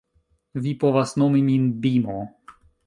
Vi povas nomi min Bimo